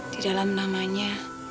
di dalam namanya